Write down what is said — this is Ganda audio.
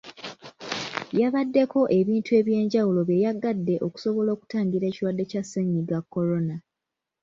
Yabadeko ebintu ebyenjawulo bye yaggadde okusobola okutangira ekirwadde kya ssennyiga Corona.